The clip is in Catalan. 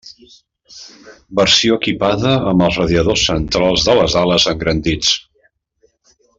Versió equipada amb els radiadors centrals de les ales engrandits.